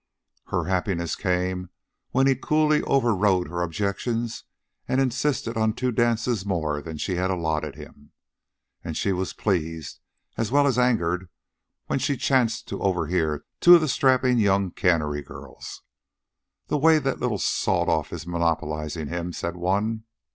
Her happiness came when he coolly overrode her objections and insisted on two dances more than she had allotted him. And she was pleased, as well as angered, when she chanced to overhear two of the strapping young cannery girls. "The way that little sawed off is monopolizin' him," said one.